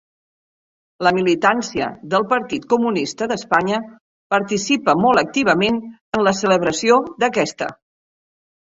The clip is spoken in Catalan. La militància del Partit Comunista d'Espanya participa molt activament en la celebració d'aquesta.